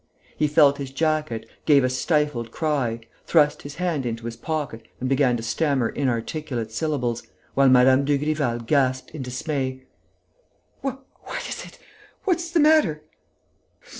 He felt his jacket, gave a stifled cry, thrust his hand into his pocket and began to stammer inarticulate syllables, while Mme. Dugrival gasped, in dismay: "What is it? What's the matter?"